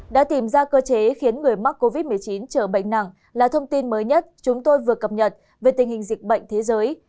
đã tìm ra cơ chế khiến người mắc covid một mươi chín trở bệnh nặng là thông tin mới nhất chúng tôi vừa cập nhật về tình hình dịch bệnh thế giới